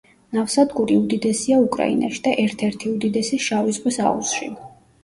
ნავსადგური უდიდესია უკრაინაში და ერთ-ერთი უდიდესი შავი ზღვის აუზში.